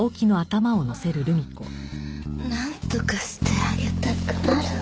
ああなんとかしてあげたくなるわ。